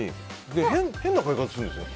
変な買い方するんですよ。